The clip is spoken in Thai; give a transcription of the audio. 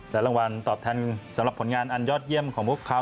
แต่รางวัลตอบแทนสำหรับผลงานอันยอดเยี่ยมของพวกเขา